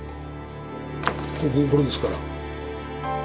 これですから。